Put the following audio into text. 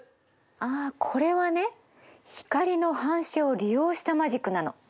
あこれはね光の反射を利用したマジックなの。